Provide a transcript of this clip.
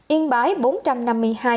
yên bái bốn trăm năm mươi hai